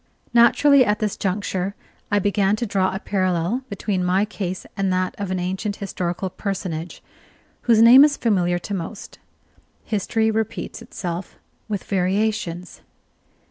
Naturally, at this juncture, I began to draw a parallel between my case and that of an ancient historical personage, whose name is familiar to most. History repeats itself with variations.